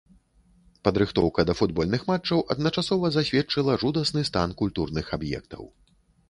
Падрыхтоўка да футбольных матчаў адначасова засведчыла жудасны стан культурных аб'ектаў.